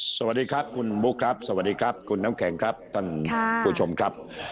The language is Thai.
สวัสดีครับคุณบุ๊คครับสวัสดีครับคุณน้ำแข็งครับท่านผู้ชมครับ